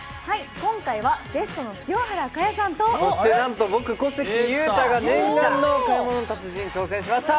今回はゲストの清原果耶さんとそしてなんと、僕、小関裕太が念願の「買い物の達人」に挑戦しました。